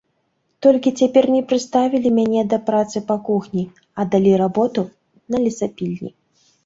Толькі цяпер не прыставілі мяне да працы па кухні, а далі работу на лесапільні.